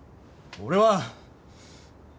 俺は。